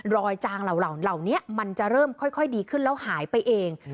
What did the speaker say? จางเหล่านี้มันจะเริ่มค่อยดีขึ้นแล้วหายไปเอง